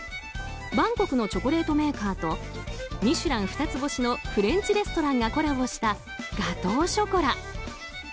バンコクのチョコレートメーカーと「ミシュラン」二つ星のフレンチレストランがコラボしたガトーショコラ。